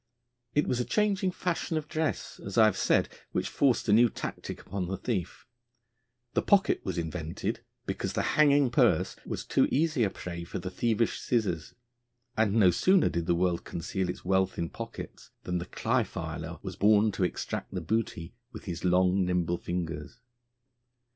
It was a changing fashion of dress, as I have said, which forced a new tactic upon the thief; the pocket was invented because the hanging purse was too easy a prey for the thievish scissors. And no sooner did the world conceal its wealth in pockets than the cly filer was born to extract the booty with his long, nimble fingers.